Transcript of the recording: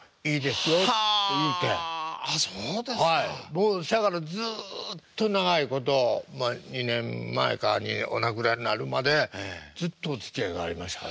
僕せやからずっと長いことまあ２年前かにお亡くなりになるまでずっとおつきあいがありましたからね。